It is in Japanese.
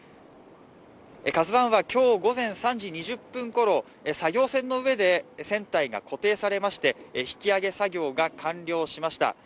「ＫＡＺＵⅠ」は今日午前３時２０分ごろ作業船の上で船体が固定されまして、引き揚げ作業が完了しました。